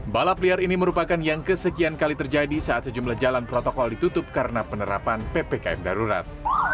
balap liar ini merupakan yang kesekian kali terjadi saat sejumlah jalan protokol ditutup karena penerapan ppkm darurat